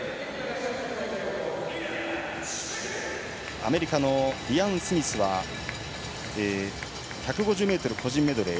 アメリカの、リアン・スミスは１５０ｍ個人メドレー